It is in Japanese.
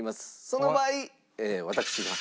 その場合私が。